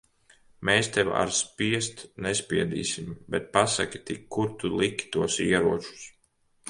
Mēs tev ar spiest nespiedīsim. Bet pasaki tik, kur tu liki tos ieročus?